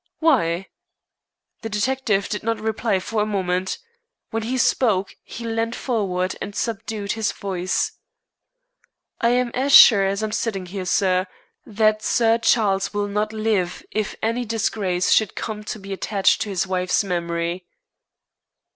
"Why?" The detective did not reply for a moment. When he spoke he leaned forward and subdued his voice. "I am as sure as I am sitting here, sir, that Sir Charles will not live if any disgrace should come to be attached to his wife's memory."